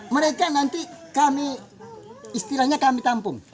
mereka nanti kami istilahnya kami tampung